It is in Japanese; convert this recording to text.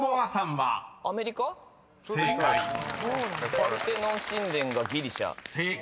パルテノン神殿が「ギリシャ」［正解］